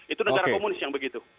itu negara komunis yang begitu